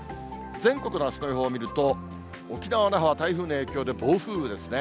全国のあすの予報を見ると、沖縄・那覇は台風の影響で暴風雨ですね。